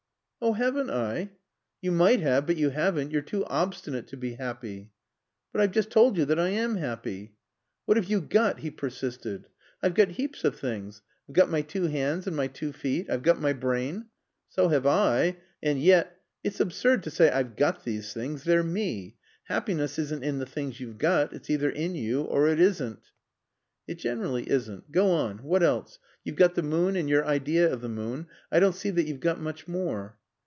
"Oh, haven't I?" "You might have. But you haven't. You're too obstinate to be happy." "But I've just told you that I am happy." "What have you got?" he persisted. "I've got heaps of things. I've got my two hands and my two feet. I've got my brain " "So have I. And yet " "It's absurd to say I've 'got' these things. They're me. Happiness isn't in the things you've got. It's either in you or it isn't." "It generally isn't. Go on. What else? You've got the moon and your idea of the moon. I don't see that you've got much more."